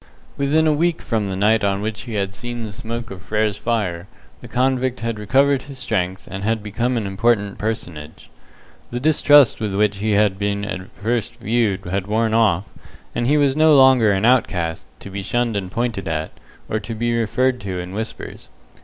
Within a week from the night on which he had seen the smoke of Frere's fire, the convict had recovered his strength, and had become an important personage. The distrust with which he had been at first viewed had worn off, and he was no longer an outcast, to be shunned and pointed at, or to be referred to in whispers.